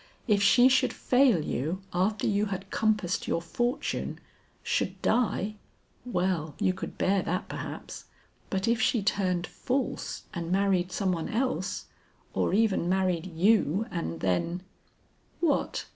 If she should fail you after you had compassed your fortune, should die well you could bear that perhaps; but if she turned false, and married some one else, or even married you and then " "What?"